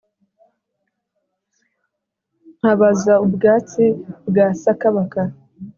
nkabaza ubwatsi bwa sakabaka